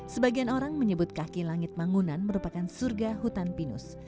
sebagian orang menyebut kaki langit mangunan merupakan surga hutan pinus